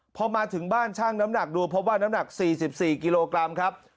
พอมาถึงบ้านช่างน้ำหนักดูพบว่าน้ำหนัก๔๔กิโลกรัมครับ